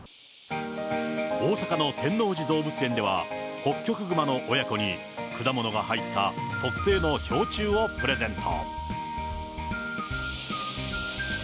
大阪の天王寺動物園では、ホッキョクグマの親子に、果物が入った特製の氷柱をプレゼント。